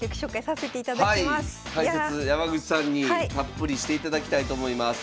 解説山口さんにたっぷりしていただきたいと思います。